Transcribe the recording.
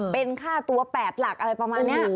เป็นค่าตัว๘หลักอะไรประมาณนี้